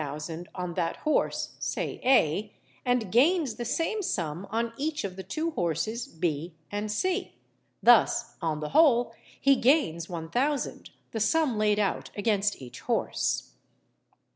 _ on that horse (say A), and gains the same sum on each of the two horses B and C. Thus, on the whole, he gains 1000_l._, the sum laid out against each horse.